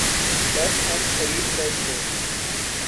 چس ہم خرید کر تھے